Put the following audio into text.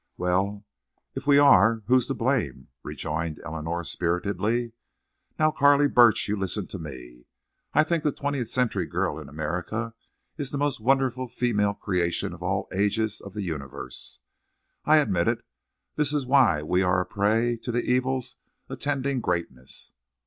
"Well, if we are, who's to blame?" rejoined Eleanor, spiritedly. "Now, Carley Burch, you listen to me. I think the twentieth century girl in America is the most wonderful female creation of all the ages of the universe. I admit it. That is why we are a prey to the evils attending greatness.